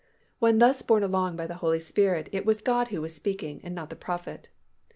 When thus borne along by the Holy Spirit it was God who was speaking and not the prophet.